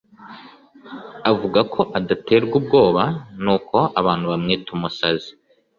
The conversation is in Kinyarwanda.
Avuga ko adaterwa ubwoba n’uko abantu bamwita umusazi